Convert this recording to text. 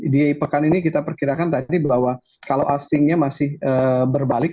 di pekan ini kita perkirakan tadi bahwa kalau asingnya masih berbalik